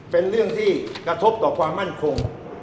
เป็นเรื่องที่กระทบต่อความมั่นคง